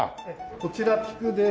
こちら菊で。